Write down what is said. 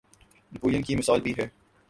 نپولین کی مثال بھی ہے۔